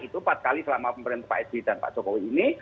itu empat kali selama pemerintah pak sby dan pak jokowi ini